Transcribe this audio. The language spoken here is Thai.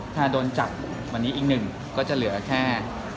ถ้าโดนจับวันนี้อีก๑ก็จะเหลือแค่๒๔๘